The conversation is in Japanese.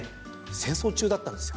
戦争中だったんですよ。